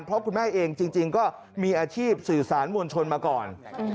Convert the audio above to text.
เพราะคุณแม่เองจริงก็มีอาชีพสื่อสารมวลชนมาก่อน